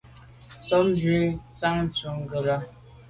Nson yub ju ze Njantùn ghù là.